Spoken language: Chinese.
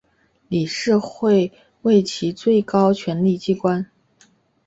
理事会为其最高权力机关。